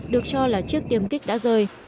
được cho là chiếc tiêm kích đã rơi